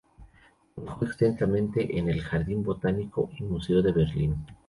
Trabajó extensamente en el "Jardín Botánico y Museo de Berlín".